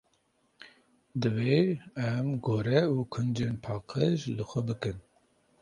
Divê em gore û kincên paqij li xwe bikin.